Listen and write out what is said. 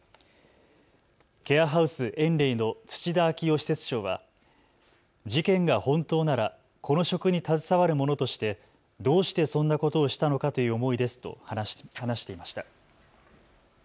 ケアハウスえんれいの土田明夫施設長は事件が本当なら、この職に携わる者としてどうしてそんなことをしたのかという思いですと話していました。